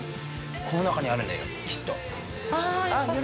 ◆この中にあるんだよ、きっと。